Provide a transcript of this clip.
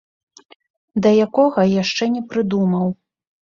Да якога, яшчэ не прыдумаў.